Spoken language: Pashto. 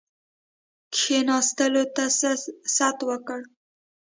کښېنستلو ته ست وکړ.